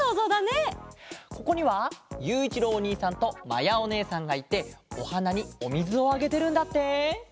ここにはゆういちろうおにいさんとまやおねえさんがいておはなにおみずをあげてるんだって！